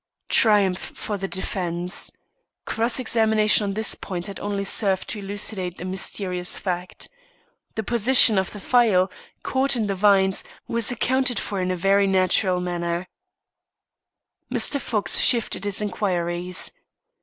Triumph for the defence. Cross examination on this point had only served to elucidate a mysterious fact. The position of the phial, caught in the vines, was accounted for in a very natural manner. Mr. Fox shifted his inquiries.